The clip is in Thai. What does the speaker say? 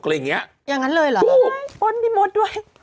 อย่างนั้นเลยหรือป๊อดพี่มดด้วย